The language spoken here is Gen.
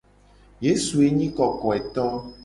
Yesu ye nyi kokoeto.